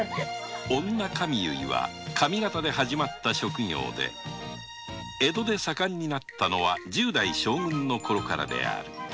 女髪結いは上方で始まった職業で江戸で盛んになったのは十代将軍のころからである。